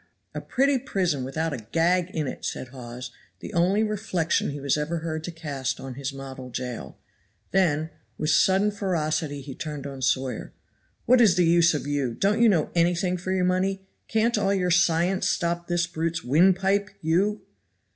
"A pretty prison without a gag in it!" said Hawes; the only reflection he was ever heard to cast on his model jail; then, with sudden ferocity he turned on Sawyer. "What is the use of you; don't you know anything for your money? can't all your science stop this brute's windpipe, you!"